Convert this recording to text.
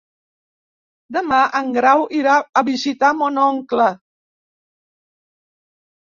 Demà en Grau irà a visitar mon oncle.